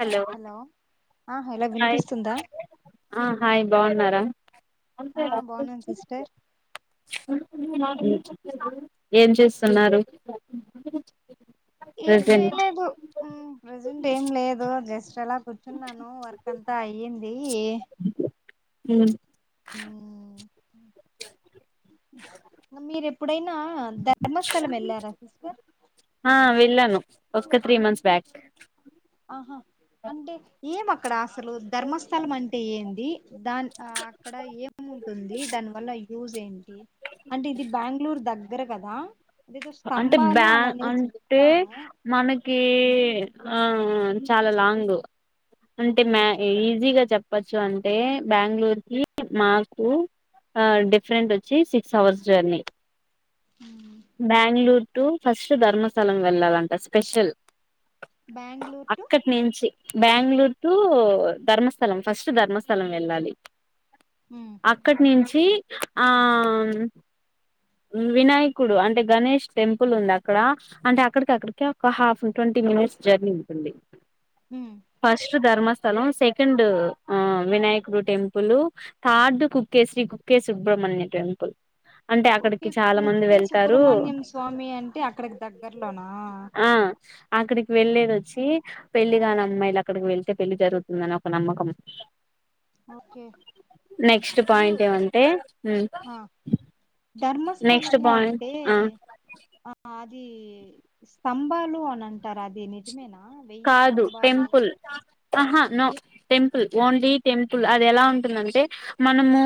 Hello ఆ hello hi వినిపిస్తుందా hi బాగున్నారు అ ఆ బాగున్నాను సిస్టర్ ఏం చేస్తున్నారు ఏం ప్రెసెంట్ చేయలేదు ప్రెజెంట్ ఏం లేదు జస్ట్ ఎలా కూర్చున్నాను వర్క్ అంతా అయ్యింది హ మీరెప్పుడైనా ధర్మస్థలం వెళ్ళారా సిస్టర్ ఒకక్క త్రీ మంత్స్ బ్యాక్ అంటే ఏం అక్కడ అసలు ధర్మస్థలం అంటే ఏంది దాని అక్కడ ఏము ఉంటుంది దాని వల్ల యూజ్ ఏంటి అంటే ఇది బెంగళూరు దగ్గర కదా అదేదో అంటే స్తంభాలు బ్యా అని అనేసి అంటే విన్నాను మనకి చాలా లాంగ్ అంటే మ ఈజీగా చెప్పచ్చు అంటే బెంగళూరు కి మాకు డిఫరెంట్ వచ్చి six hours journey uh Bengaluru to first Dharmasthala వెళ్ళాలంట స్పెషల్ బెంగళూరు టు అక్కటి నుంచి బెంగళూరు టు ధర్మస్థలం ఫస్ట్ ధర్మస్థలం వెళ్ళాలి మ్ అక్కడి నుంచి ఆ వినాయకుడు అంటే గణేష్ టెంపుల్ ఉంది అక్కడ అంటే అక్కడికి అక్కడికి ఒక హాఫ్ ట్వంటీ మిస్ జర్నీ ఉంటుంది హ ఫస్ట్ ధర్మస్థలం సెకండ్ వినాయకుడు టెంపుల్ థర్డ్ కుక్కేశ్రీ కు సుబ్రహ్మణ్య టెంపుల్ అంటే ఒకే అక్కడికి చాలా మంది కుకే వెళ్తారు సుబ్రహమణ్యం స్వామి అంటే అక్కడికి దగ్గర్లోనా ఆ అక్కడికి వెళ్లేది వచ్చి పెళ్లిిగాని అమ్మాయిలు అక్కడికి వెళ్తే పెళ్లి జరుగుతుందని ఒక నమ్మకం ఓకే నెక్స్ట్ ఇప్పుడు పాయింట్ ఏమంటే ఆ నెక్స్ట్ ధర్మస్థలము పాయింట్ అంటే ఆ ఆ అది స్తంభాలు అని అంటారు అది నిజమేనా వెయ్యి కాదు స్తంభాలు టెంపుల్హ నో ఏ- టెంపుల్ ఉమ్, ఓన్లీ టెంపుల్ అది ఎలా ఉంటుందంటే మనము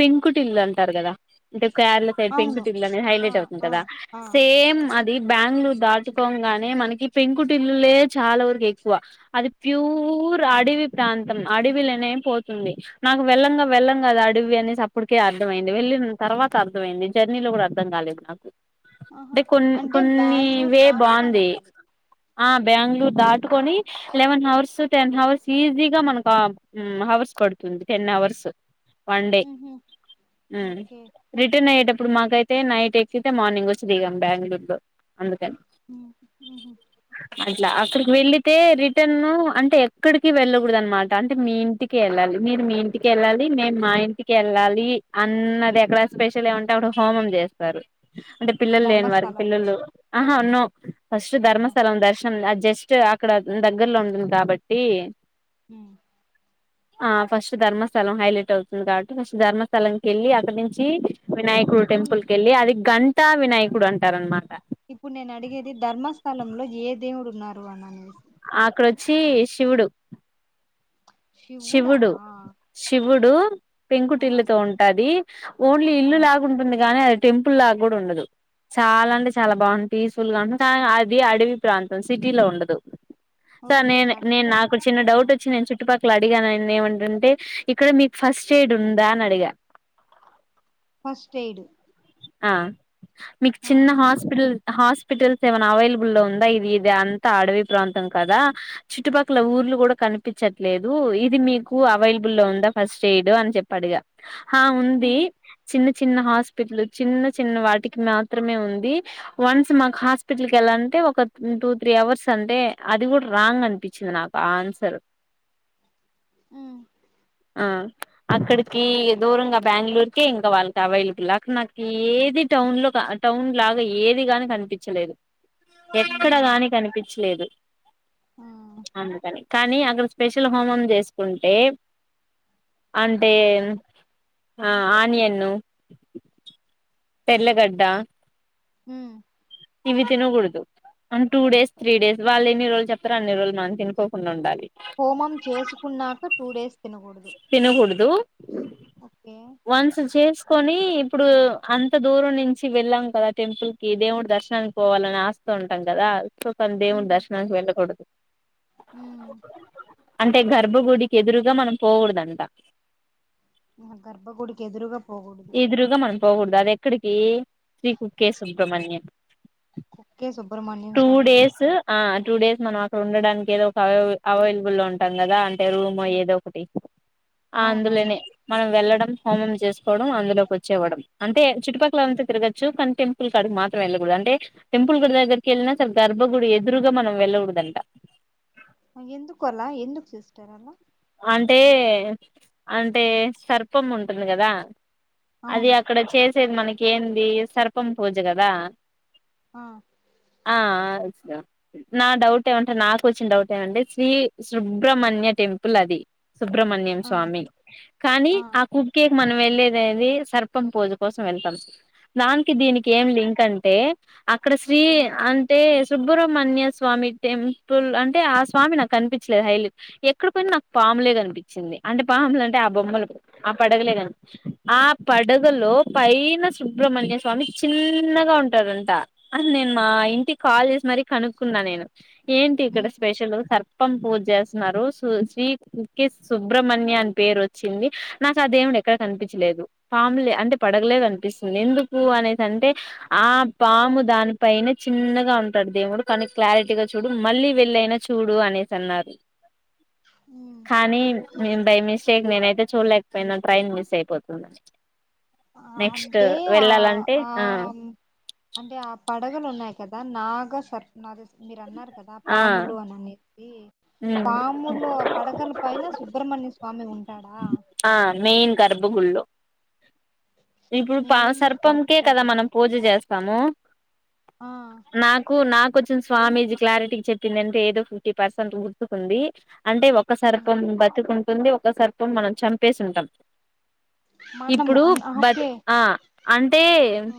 పెంకుటిల్లు అంటారు కదా అంటే ర్ల సైడ్ అవును పెంకుటిల అనేది ఆ హైలైట్ అవుతుంది ఆ కదా ఆ సేమ్ అ ది బ్యాంగళూరు దాచుకోగానే మనకి పెంకుటిల్లు లే చాలా వరకు ఎక్కువ అది ప్యూర్ అడవి ప్రాంతం అడవిలోనే పోతుంది నాకు వెళ్లంగా వెళ్లం అద అడవి అనేసి అప్పటికే అర్థమయింది వెళ్లిిన తర్వాత అర్థమయింది జర్నీలో కూడా అర్థం కాలేదు [unintelligible] ఆహా అంటే కొన్ అంటే కొన్ని బెంగళూరు వే దాటుకొని బాగుంది వెళ్ళండి ఆ బెంగళూరు దాటుకొని ఎలెవెన్ హవర్స్ టెన్ హవర్స్ ఈజీగా మనకు హవర్స్ పడుతుంది టెన్ అవర్స్ వన్ డే ఉహు ఓకే ఇప్పుడు మాకైతే నైట్ ఎక్కితే మార్నింగ్ వచ్చి దిగాం బెంగళూరు లో అందుకని ఉమ్, ఉహు అట్లా అక్కడికి వెళ్ళితే రిటర్న్ అంటే ఎక్కడికి వెళ్ళకూడ అనమాట అంటే మీ ఇంటికి వెళ్ళాలి మీరు మీ ఇంటికి వెళ్ళాలి మేము మా ఇంటికి వెళ్ళాలి అన్నది ఎక్కడా స్పెషల్ ఏమంటే అక్క హోమ్ స్త అంటే పిల్లలు లేని వారికి ధర్మస్థలంలో పిల్లలు ఆహా ఉన్నా ఫస్ట్ ఆ ధర్మస్థలం దర్శం జస్ట్ అక్కడ దగ్గర్లో ఉంటుంది కాబట్టి హ ఆ ఫస్ట్ ధర్మస్థలం హైలైట్ అవుతుంది కాబట్టి ఫస్ట్ ధర్మస్థలంక వెళ్ళి అక్కడ నుంచి వినాయకుడు ఇప్పుడు టెంపుల్ క వెళ్ళి అది గంటా వినాయకుడు అంటార అనమాట ఇప్పుడు నేను అడిగేది ధర్మస్థలంలో ఏ దేవుడు ఉన్నారు అని అని అక్కడొచ్చి శివుడు షివ్వుడా గుడు పెంకుటిల్లుతో ఉంటుది ఓన్లీ ఆ, ఇల్లు లాగుంటుంది గాని అ టెంపుల్ లాగ్గూడ ఉండదు. చాలా అంటే చాలా బాగుంది పీస్ఫుల్ గా ఉంటుంది. సరే ఓకే నేను నేను అడవిలో నాకు చిన్న డౌట్ వచ్చి నేను చుట్టుపక్ క్కలా అడిగానండి ఏమంటంటే, ఇక్కడ మీకు ఫస్ట్ ఎయిడ్ ఉందా అని అడిగా ఫస్ట్ ఎయిడ్ మీకు ఆ చిన్న ఓకే హాస్పిటల్ హాస్ హాస్పిటల్స్ ఏ అవైలబుల్ లో ఉందా ఇది ఇది అంత అడవి ప్రాంతం కదా చుట్టుపక్కల ఊర్లు గూడా క కనిపిచ్చట్లేదు ఇది మీకు అవైలబుల్ లో ఉందా ఫస్ట్ ఎయిడ్ అని చెప్పి అడిగా హా ఉంది ఉహు చిన్న చిన్న హాస్పిటల్. చిన్న చిన్న వాటికి మాత్రమే ఉంది వన్స్ మాకు హాస్పిటల్కి వెళ్ళాలంటే ఒక టూ త్రీ అవర్స్ అంటే అది కూడా రాంగ్ అనిపించింది నాకు ఆ ఆన్సర్ ఉమ్ ఆ అక్కడికి దూరంగా బెంగళూరుకే ఇంకా వాళ్ళకి అవైలబుల్ అక్కడ నాక్ ఏది టౌన్ లో క టౌన్ లాగా ఏది గాని కనిపిచ్చలేదు. ఎక్కడ ఉమ్ గాని కనిపిచ్చలేదు. ఆ అందుకని కానీ అక్కడ స్పెషల్ హోమం చేసుకుంటే అంటే ఓకే ఆ ఆనియన్ తెల్లగడ్డ హుమ్ ఇవి తినగూడదు అం టూ డేస్ త్రీ డేస్ వాళ్ళు ఎన్ని రోజులు చెప్తారో అన్ని రోజులు మనం తినకోకుండా ఉండాలి హోమం చేసుకున్నాక టూ డేస్ తినకూడదు తినగూడదు ఓకే వన్స్ చేస్ కొని ఇప్పుడు అంత దూరం నుంచి వెళ్ళాం కదా టెంపుల్ కి దేవుడి దర్శనానికి పోవాలని ఆస్ శ తో ఉంటాం కదా సో కానీ దేవుని దర్శనానికి వెళ్ళకూడదు. హుమ్ అంటే గర్భగుడికి ఎదురుగా మనం పోగూడదంట. అహ గర్భగుడికి ఎదురుగా పోకూడదు ఎదురుగా మనం పోగూడదు అది ఎక్కడికి శ్రీ కొక్కే సుబ్రహ్మణ్యం కొక్కే సుబ్రమణ్యం స్వామి దగ్గర ఆ టూ డేస్ మనం అక్కడ ఉండడానికి ఏదో ఒక అవై అవైలబుల్ లో ఉంటాం గదా అంటే రూమ్ ఏదో ఒకటి ఆ అవునవును అందులోనే మనం వెళ్ళడం హోమం చేస్ కోవడం అందులో కూచ్చోవడం అంటే చుట్టుపక్కల అంతా తిరగచ్చు కానీ టెంపుల్ కాడకి మాత్రం వెళ్ళకూదు అంటే టెం టెంపుల్ గుడి దగ్గరికి వెళ్ళినా అసలు గర్భ గుడి ఎదురుగా మనం వెళ్ళగూడదంట. అవును ఎందుకు అలా ఎందుకు సిస్టర్ అలా అంటే అంటే సర్పం ఉంటుంది గదా అది అవును అక్కడ చేసేది మనకి ఏంది సర్పం పూజ గదా ఆ ఆ నా డౌట్ ఏమంటే నాకు వచ్చిన డౌట్ ఏమంటే శ్రీ సుబ్రహ్మణ్య టెం పుల్ అది సుబ్రహ్మణ్యం ఆ స్వామి ఆ మనం వెళ్ళేది ఏది సర్పం పూజ కోసం వెళ్తాం దానికి దీనికి ఏం లింక్ అంటే అక్కడ శ్రీ ఆ అంటే సుబ్రహ్మణ్య స్వామి టెంపుల్ అంటే ఆ స్వామి నాకు కనిపిచ్చలేదు హైలి ఎక్ క్కడికి పోయిన నాకు పాములే కనిపిచ్చింది. అంటే పాములు అంటే ఆ బొమ్మలు ఆ పడగలే కనిపి ఆ ప పడగలో పైన సుబ్రమణ్యస్వామి చిన్నగా ఉంటాడంట. అది నేను మా ఇంటికి కాల్ చేసి మరీ కనుక్కున్నా నేను ఏంటి ఇక్కడ ఉమ్ స్పెషల్ సర్ ర్పం పూజ చేస్తున్నారు స్ శ్రీ [unintelligible] సుబ్రహ్మణ్య అని పేరు వచ్చింది నాకు అ దేవుడు ఎక్కడ కనిపించలేదు పాములే అంటే పడగలే కనిపిస్తుంది ఎందుకు అనేసి అంటే ఆ పాము దాని పైనే చిన్న చిన్నగా ఉంటాడు దేవుడు కానీ క్లారిటీగా చూడు మళ్ళీ వెళ్ళయినా చూడు అనేసి అన్నారు ఉమ్ కానీ బైమిస్ ఇక నేన అయితే చూడలేకపోయినా ట్రైన్ మిస్ అయిపోతుంది అని ఆ అంటే ఆ ఆ అంటే ఆ పడగ లు ఉన్నాయి కదా నాగ సర్ నా మీరు అన్నారు కదా ఆ పాములు అని అనేసి ఉమ్ పాముూలో పడగల పైన సుబ్రహ్మణ్య స్వామి ఉంటాడా ఆ మెయిన్ గర్భ గుడిలో ఇప్పుడు పా మెయిన్ సర్పంకే కదా మనం గర్భగుడిలో పూజ చేస్తాము ఆ నాకు నాకు స్వామీజీ క్లారిటీకి చెప్పిందింటే ఏదో ఫిఫ్టీ పర్సెంట్ గుర్డ్తుుకుంది అంటే ఒక ఉమ్, సర్పం బతుకుంటుంది ఒక సర్పం మనం చంపేసి ఉంటాం మనము ఇప్పుడు అన్- ఆ, బట్ ఓకే ఆ అంటే ఆ,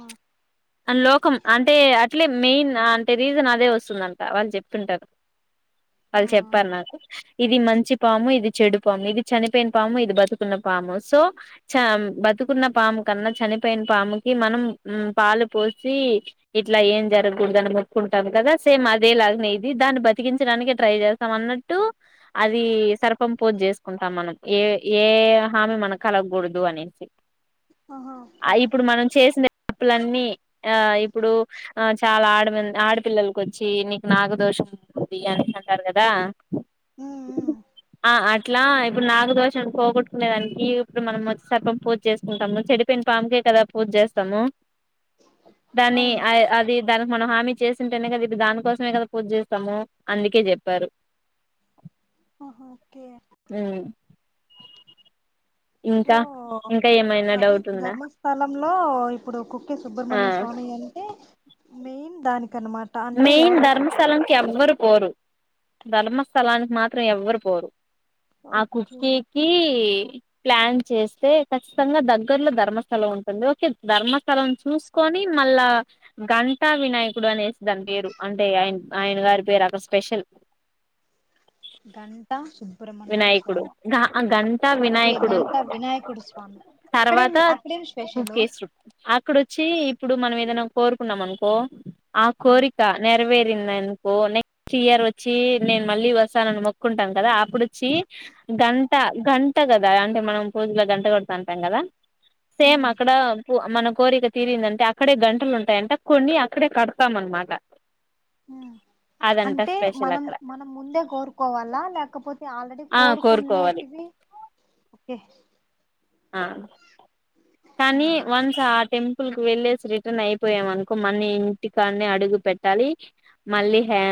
లోకం అంటే అట్లే మెయిన్ అంటే రీజన్ అదే వస్తుందంట వాళ్ళు చెప్తుంటారు ఆ, వాళ్ళు చెప్పను నాకు ఇది మంచి పాము ఇది చెడు పాము ఇది చనిపోయిన పాము ఇది బతుకున్న పాము సో చ పతుకున్న పాము కన్నా చనిపోయిన పాముకి మనం పాలు పోసి ఇట్లా ఏం జరగకూడదుని మొక్కుంటాం కదా సేమ్ అదే లాగనే ఇది దాన్ని బతికించిన ట్రై చేస్తాం అన్నట్టు అది సర్పం పూజ చేసుకుంటాం మనం ఏ ఏ హామీ మన కలగకూడదు అనేసి ఆహా ఓకే ఆ ఇప్పుడు మనం చేసిన తప్పులన్నీ ఆ ఇప్పుడు ఆ చాలా ఆడ ఆడపిల్లలకు వచ్చి నీకు నాకు దోషం ఉంటుంది అని అంటారు కదా ఉమ్, ఉమ్, అట్లా ఇప్పుడు నాగు దోషం పోగొటుకునే దానికి ఇప్పుడు మనం వచ్చి సర్పం పూజ చేసుకుంటాము చెడిపోయిన పాంమకే కదా పూజ చేస్తాము దాని అవును అది దానికి మనం హామీ చేసింటేనే కదా ఇప్పుడు దానికోసమే కదా పూజ చేస్తాము అందుకే చెప్పారు ఆహ ఓకే హ్మ్ ఇంకా ఇంకా ఏ అదే ధర్మస్థలంలో ఇప్పుడు కుక్కె ఆ సుబ్ర్మణ్య స్వామి అంటే మెయిన్ దానికి మెయిన్ ధర్మస్థలాంనికి ఎవరు పోరు ధర్మస్థలానికి మాత్రం ఎవ్వరు పోరు ఆ ఓకే కుర్తికి ప్లాన్ చేస్తే ఖచ్చితంగా దగ్గర్లో ధర్మస్థలం ఉంటుంది ఓకే ధర్మస్థలం చూసుకొని మళ్ళా గంటా వినాయకుడు అనేసి దాని పేరు అంటే ఆయ ఆయన గారి పేరు అక్కడ స్పెషల్ గంటా సుబ్రమణ్యం వినాయకుడు స్వామి గ గంటా అ వినాయకుడు గంటా వినాయకుడు స్వామి తర్వాత అక్కడేమి అక్కడేమి స్పెషల్ కుక్కేస్ర అక్కడ వచ్చి ఇప్పుడు మనం ఏదైనా కోరుకున్నాంనుకో ఆ కోరిక నెరవే అనుకో నెక్స్ట్ ఇయర్ వచ్చి నేను మళ్ళీ వస్తాను అని కుంటాం కదా అప్పుడు వచ్చి గంట గంట అంత కదా అంటే మనం పూజలో గంట కొడుతు అంటాం కదా సేమ్ అక్కడ మన కోరిక తీరిందంటే అక్కడే గంటలు ఉంటాయి అంట కొనీ అక్కడే క డతాం అన మాట అంటే మనం మనం ముందే కోరుకోవాలా లేకపోతే ఆల్రెడీ ఆ కోరుకోవాలి కోరుకునేటివి ఓకే ఆ ఆ కానీ వన్స్ ఆ టెం పుల్కి వెళ్ళేసి రిటర్న్ అయిపోయాంనుకో మన్ని ఇంటికాన్న అడుగు పెట్టాలి మళ్ళీ ఆ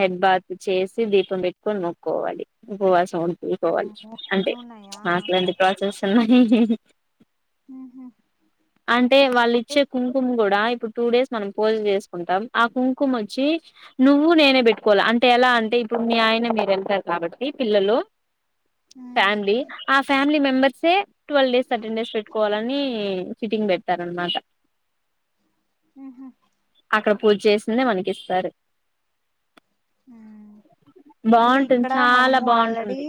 హెడ్ బాత్ చేసి దీపం పెట్టుకని నొక్కోవాలి ఉపవాసం ఉంట తీకోవాలి అమ్మో అంటే ఇన్నున్నాయా అల్లాంటి ప్రాసెస్ ఉన్నాయి అంటే వాళ్ళు అంటే ఇచ్చే కుంకుమ కూడా ఇప్పుడు టూ డేస్ మనం పూజ చేసుకుంటాం ఆ కుంకుమ వచ్చి నువ్వు నేనే పెట్టుకోవాలి అంటే ఎలా అంటే ఇప్పుడు మీ ఆయన మీరుంటారు కాబట్టి పిల్లలు ఫ్యామిలీ ఆ ఫ్యామిలీ మెంబర్సే ట్వెల్వ్ డేస్ అర్టెన్ డేస్ పె కోవాలని ఫిట్టింగ్ పెడతారనమాట ఆహా అక్కడ పూజ చేసిందే మనకి ఇస్తారు అంటే బాగుంటుంది ఇక్కడ చాలా మనము ఆల్రెడీ బాగుంటుంది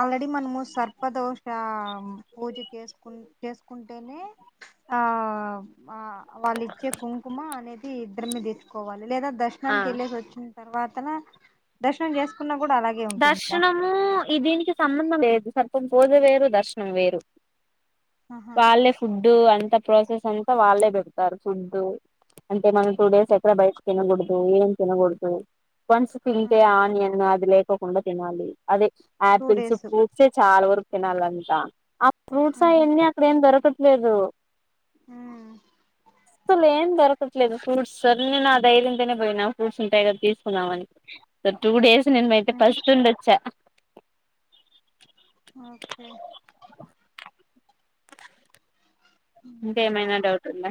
ఆల్రెడీ మనము సర్పదోశ పూజ చేసుకు చేసుకుంటేనే [inaudible] ఆ వాళ్ళు ఇచ్చే కుంకుమ అనేది ఇద్దరిమ తీసుకోవాలి లేదా ఆ దర్శనానికి వెళ్ళేసి వచ్చి తర్వాతన దర్శనం చేసుకున్న దర్శనము ఈ దీనికి సంబంధం లేదు సర్పం పూజ వేరు దర్శనం వేరు ఆహా వాళ్ళే ఫుడ్డు అంతా ప్రాసెస్ అంతా వాళ్ళే పెడతారు ఫుడ్ అంటే మనం టూ డేస్ ఎక్కడ బయటక ఏం తినకూడదు కొన్స్ తింటే ఆహా ఆనియన్ అది లేకకుడా తినాలి అదే టూ ఆపిల్స్ డేస్ ఫ్రూట్స్ ఏ చాలా వరకు తినాలంట ఆ ఫ్రూట్స్ ఉహు అవన్నీ అక్కడ ఏం దొరక లేదు ఉ అసలు ఏం దలేదు ఫ్రూట్స్ే నా ధైర్య పోయి ఫ్రూట్స్ ఉంటాయిా తీసుకున్నా టూ డే ఫస్ట్ండచ్చ [unintelligible] ఇంకాే ఏమైనా డౌట్ ఉందా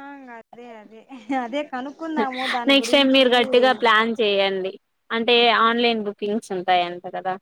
ఆ అదే అదే అదే కనుక్కుందాము [inaudible] దాని నెక్స్ట్ టైం మీరు గట్టిగా గురించి ప్లాన్ చేయయండి అంటే ఆన్లైన్ బుకింగ్స్ ఉంటాయింత కదా